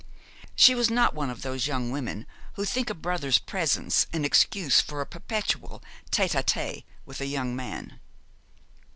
She was not one of those young women who think a brother's presence an excuse for a perpetual tête à tête with a young man.